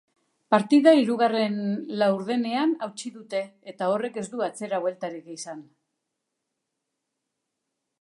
Partida hirugarren laurdenean hautsi dute eta horrek ez du atzera bultarik izan.